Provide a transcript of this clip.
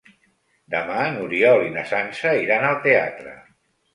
Demà n'Oriol i na Sança iran al teatre.